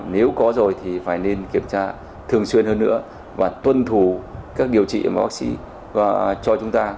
nếu có rồi thì phải nên kiểm tra thường xuyên hơn nữa và tuân thủ các điều trị mà bác sĩ cho chúng ta